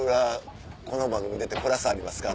この番組に出てプラスありますか？」。